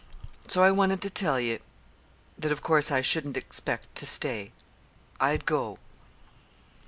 So I wanted to tell ye that of course I shouldn't expect to stay. I'd go."